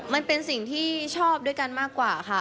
มันเป็นสิ่งที่ชอบด้วยกันมากกว่าค่ะ